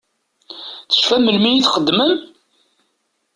Tecfam melmi i t-txedmem?